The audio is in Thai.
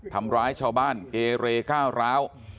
ทำร้ายชาวบ้านเกเรก้าวร้าว